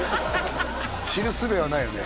知る術はないよね